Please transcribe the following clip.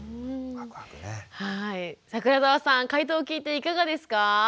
櫻澤さん回答聞いていかがですか？